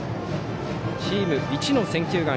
チーム一の選球眼。